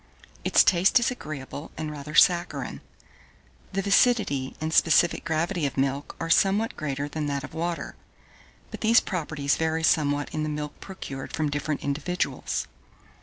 Its taste is agreeable, and rather saccharine. The viscidity and specific gravity of milk are somewhat greater than that of water; but these properties vary somewhat in the milk procured from different individuals.